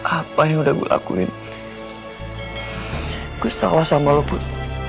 apa yang udah gue lakuin kesalahan sama lo put